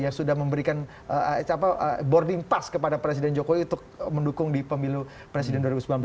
yang sudah memberikan boarding pass kepada presiden jokowi untuk mendukung di pemilu presiden dua ribu sembilan belas